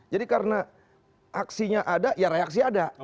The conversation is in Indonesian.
jadi karena aksinya ada ya reaksi ada